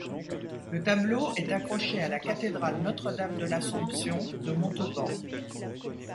Le tableau est accroché à la cathédrale Notre-Dame-de-l'Assomption de Montauban.